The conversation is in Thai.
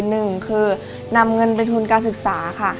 หนึ่งคือนำเงินไปทุนการศึกษาค่ะ